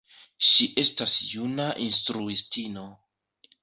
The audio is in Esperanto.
Ŝi estas juna instruistino.